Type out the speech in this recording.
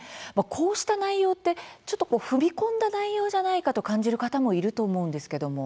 こうした内容って、ちょっと踏み込んだ内容じゃないかと感じる方もいると思うんですけれども。